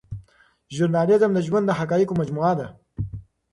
ژورنالیزم د ژوند د حقایقو مجموعه ده.